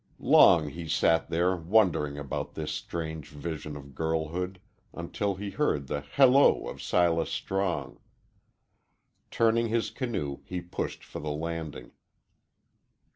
Long he sat there wondering about this strange vision of girlhood, until he heard the halloo of Silas Strong. Turning his canoe, he pushed for the landing.